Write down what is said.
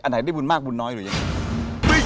ไหนได้บุญมากบุญน้อยหรือยัง